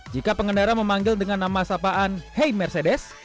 jika pengendara memanggil dengan nama sapaan hey mercedes